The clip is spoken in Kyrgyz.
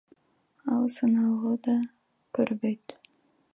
Ал сыналгы да көрбөйт.